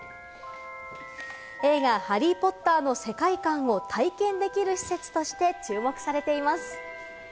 映画『ハリー・ポッター』の世界観を体験できる施設として注目されています。